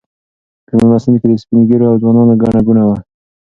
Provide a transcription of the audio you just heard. په مېلمستون کې د سپین ږیرو او ځوانانو ګڼه ګوڼه وه.